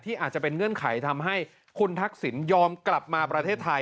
อาจจะเป็นเงื่อนไขทำให้คุณทักษิณยอมกลับมาประเทศไทย